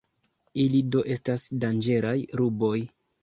Ili do estas danĝeraj ruboj.